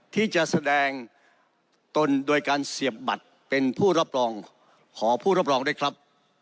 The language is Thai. ที่จะแสดงตนโดยการเสียบบัตรเป็นผู้รับรองขอผู้รับรองด้วยครับ